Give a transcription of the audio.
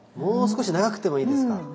もう少し長くてもいいですか。